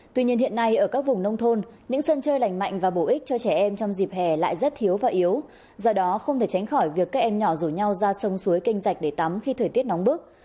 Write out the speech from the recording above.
tình trạng đối nước rất thiếu và yếu do đó không thể tránh khỏi việc các em nhỏ rủ nhau ra sông suối canh dạch để tắm khi thời tiết nóng bức